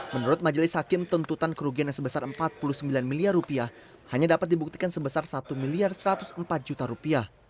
menurut majelis hakim tentutan kerugian yang sebesar rp empat puluh sembilan miliar hanya dapat dibuktikan sebesar rp satu satu ratus empat